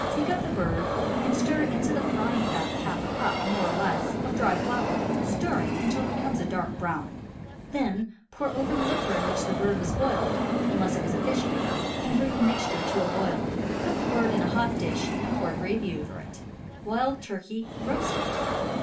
Take up the bird, and stir into the frying fat half a cup, more or less, of dry flour, stirring until it becomes a dark brown; then pour over it the liquor in which the bird was boiled (unless it was a fish eater), and bring the mixture to a boil. Put the bird in a hot dish, and pour gravy over it. Wild Turkey, Roasted.